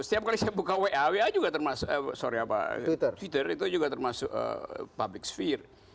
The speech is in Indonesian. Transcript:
setiap kali saya buka twitter itu juga termasuk public sphere